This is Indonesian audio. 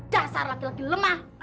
jasar laki laki lemah